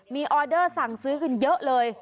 มีออเดอร์สั่งซื้อกันเยอะเลย